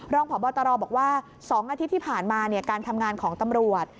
รองพบตรบอกว่า๒อาทิตย์ที่ผ่านมาการทำงานของตำรวจ